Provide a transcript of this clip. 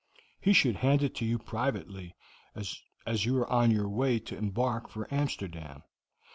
He should hand it to you privately, as you are on your way to embark for Amsterdam.